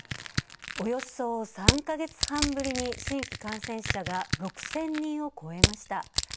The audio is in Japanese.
およそ３か月半ぶりに新規感染者が６０００人を超えました。